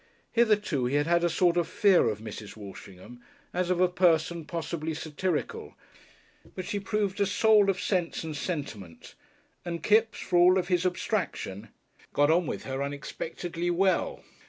Hitherto he had had a sort of fear of Mrs. Walshingham, as of a person possibly satirical, but she proved a soul of sense and sentiment, and Kipps, for all of his abstraction, got on with her unexpectedly well.